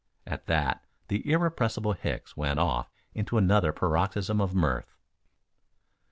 At that the irrepressible Hicks went off into another paroxysm of mirth.